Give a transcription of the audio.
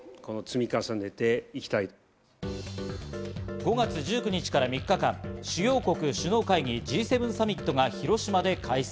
５月１９日から３日間、主要国首脳会議Ｇ７サミットが広島で開催。